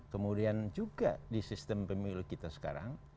kemudian juga di sistem pemilu kita sekarang